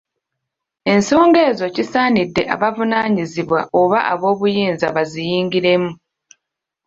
Ensonga ezo kisaanidde abavunaanyizibwa oba ab'obuyinza baziyingiremu.